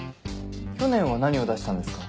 去年は何を出したんですか？